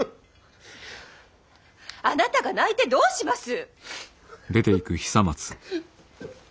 あなたが泣いてどうします！